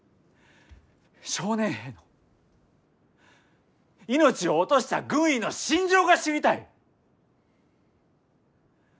少年兵の命を落とした軍医の心情が知りたい！